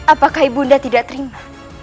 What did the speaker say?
apakah ibu nda tidak terima